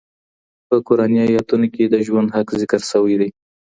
په قرآني آیتونو کي د ژوند حق ذکر سوی دی.